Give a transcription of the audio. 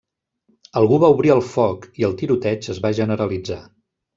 Algú va obrir el foc, i el tiroteig es va generalitzar.